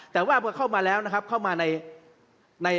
ท่านก็เข้ามาแล้วนะครับเข้ามาใน